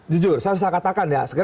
jujur saya sudah katakan ya